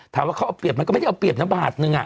ถามว่าเขาเอาเปลี่ยนโมงักก็ไม่ได้เอาเปลี่ยนน้ำบาทนึง